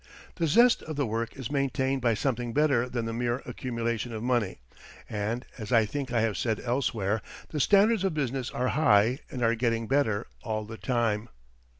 The zest of the work is maintained by something better than the mere accumulation of money, and, as I think I have said elsewhere, the standards of business are high and are getting better all the time.